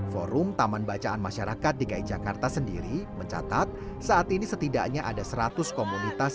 forum taman bacaan masyarakat dki jakarta sendiri mencatat saat ini setidaknya ada seratus komunitas